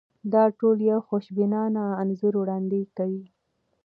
دا ټول یو خوشبینانه انځور وړاندې کوي.